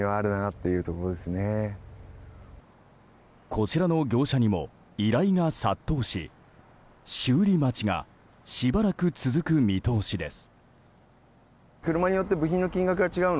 こちらの業者にも依頼が殺到し修理待ちがしばらく続く見通しです。